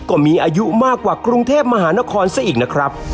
ก็มีอายุมากกว่ากรุงเทพมหานครซะอีกนะครับ